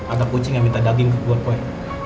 ada kucing yang minta daging buat kue